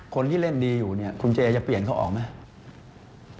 คนที่เล่นดีอยู่เนี่ยคุณเจจะเปลี่ยนเขาออกไหม